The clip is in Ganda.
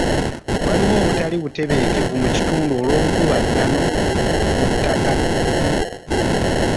Waliwo obutali butebenkevu mu kitundo olw'obukuubagano ku ttaka.